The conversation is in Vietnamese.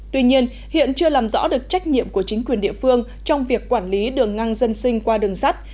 tuy nhiên hiện chưa làm rõ được trách nhiệm của chính quyền địa phương trong việc quản lý đường ngang dân sinh qua đường sắt